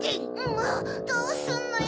もうどうすんのよ！